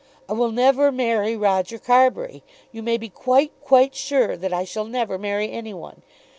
I will never marry Roger Carbury. You may be quite quite sure that I shall never marry any one.